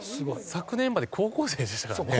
昨年まで高校生でしたからね。